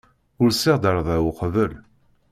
Usiɣ-d ɣer da uqbel.